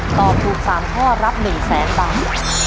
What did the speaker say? ตอบถูก๓ข้อรับ๑แสนบาท